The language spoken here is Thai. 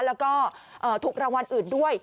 แล้วก็ถูกรางวัลอื่นด้วย